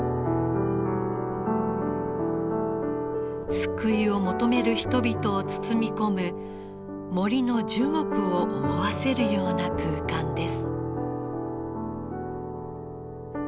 救いを求める人々を包み込む森の樹木を思わせるような空間です。